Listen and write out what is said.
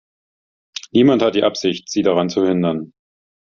Niemand hat die Absicht, sie daran zu hindern.